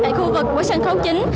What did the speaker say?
tại khu vực của sân khấu chính